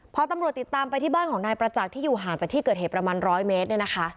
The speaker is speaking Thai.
พอตำรวจติดตามไปที่บ้านของนายประจักษ์ที่อยู่ห่างจากที่เกิดเหตุประมาณ๑๐๐เมตรเนี่ยนะคะ